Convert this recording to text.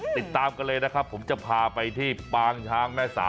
ติดตามกันเลยนะครับผมจะพาไปที่ปางช้างแม่สา